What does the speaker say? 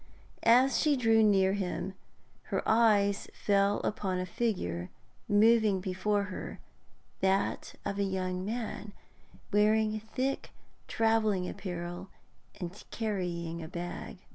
As she drew near to him her eyes fell upon a figure moving before her, that of a young man, wearing thick travelling apparel and carrying a bag.